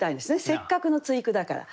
せっかくの対句だから。